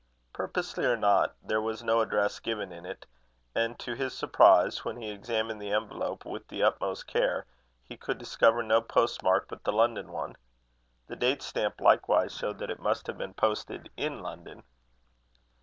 Purposely or not, there was no address given in it; and to his surprise, when he examined the envelope with the utmost care, he could discover no postmark but the London one. The date stamp likewise showed that it must have been posted in London.